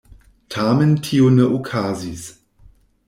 Tamen tio ne okazis.